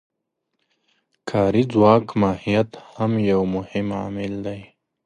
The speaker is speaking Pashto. د کاري ځواک ماهیت هم یو مهم عامل دی